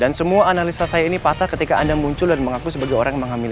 dan semua analisa saya ini patah ketika anda muncul dan mengaku sebagai orang yang menghamil elsa